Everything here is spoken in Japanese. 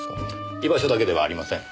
居場所だけではありません。